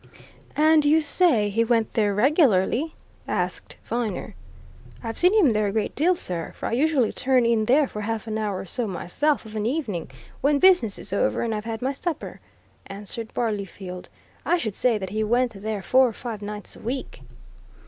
"And you say he went there regularly?" asked Viner. "I've seen him there a great deal, sir, for I usually turn in there for half an hour or so, myself, of an evening, when business is over and I've had my supper," answered Barleyfield. "I should say that he went there four or five nights a week."